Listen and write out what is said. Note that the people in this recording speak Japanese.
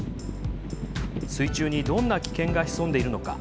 水中にどんな危険が潜んでいるのか。